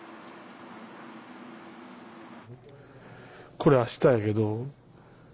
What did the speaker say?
これ明日やけど。